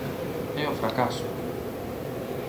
¡É o fracaso!